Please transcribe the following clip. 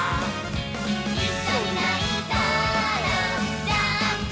「いっしょにないたらジャンプ！